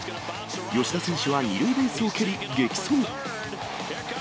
吉田選手は２塁ベースを蹴り、激走。